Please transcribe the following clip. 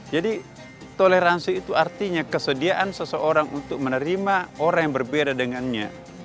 jadi toleransi itu artinya kesediaan seseorang untuk menerima orang yang berbeda dengannya